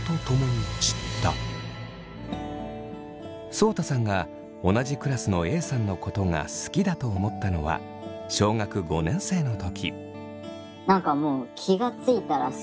そうたさんが同じクラスのＡさんのことが好きだと思ったのは小学５年生の時。